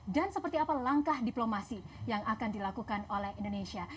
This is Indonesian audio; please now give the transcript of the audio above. dan seperti apa langkah diplomasi yang akan dilakukan oleh indonesia